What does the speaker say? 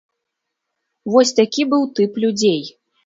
Вось такі быў тып людзей.